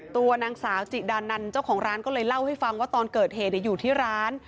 ตัวนางสาวจิดานันเจ้าของร้านก็เลยเล่าให้ฟังว่าตอนเกิดเหตุอยู่ที่ร้าน